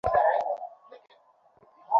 নতুন এই ফোনের নাম ‘নকিয়া সিক্স’।